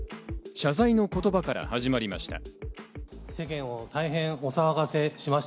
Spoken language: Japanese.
謝罪の言葉から始まりました。